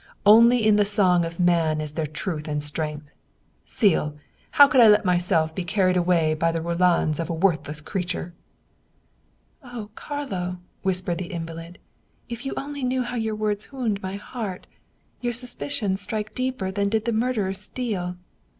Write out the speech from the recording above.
Only in the song of man is there truth and strength, del! How could I let myself be car ried away by the roulades of a worthless creature !"" Oh, Carlo !" whispered the invalid, " if you only knew how your words wound my heart! Your suspicions strike deeper than did the murderer's steel